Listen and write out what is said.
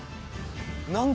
何だ？